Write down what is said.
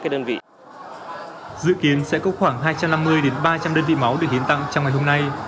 dự kiến sẽ có khoảng hai trăm năm mươi ba trăm linh đơn vị máu để hiến tặng trong ngày hôm nay